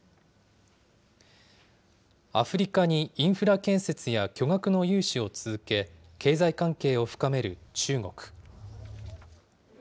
アフリカにインフラ建設や巨額の融資を続け、経済関係を深める中国。